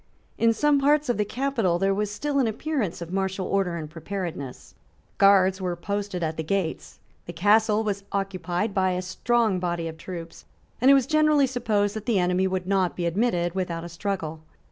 In some parts of the capital there was still an appearance of martial order and preparedness. Guards were posted at the gates: the Castle was occupied by a strong body of troops; and it was generally supposed that the enemy would not be admitted without a struggle.